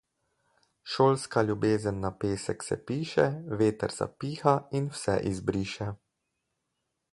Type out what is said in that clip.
Šolska ljubezen na pesek se piše, veter zapiha in vse izbriše.